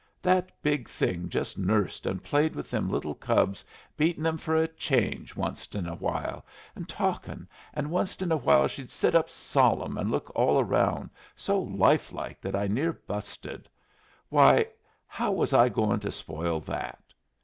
That big thing just nursed and played with them little cubs, beatin' em for a change onced in a while, and talkin', and onced in a while she'd sit up solemn and look all around so life like that I near busted. Why, how was I goin' to spoil that?